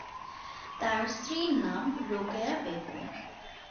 তার স্ত্রীর নাম রোকেয়া বেগম।